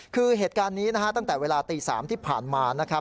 คือเหตุการณ์นี้นะฮะตั้งแต่เวลาตี๓ที่ผ่านมานะครับ